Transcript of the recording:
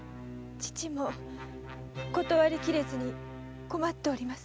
父も断りきれずに困っております。